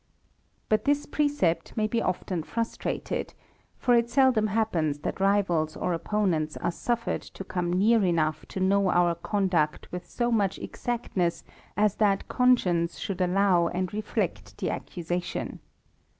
But this precept may be often frustrated; for it seldom happens that rivals or opponents are suffered to come near enough to know our conduct with so much exactness as that conscience should allow and reflect the accusation.